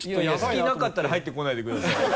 隙なかったら入ってこないでください。